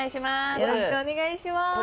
よろしくお願いします。